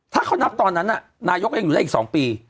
ถ้าเขานับตอนนั้นนายกก็ยังอยู่ได้อีก๒ปี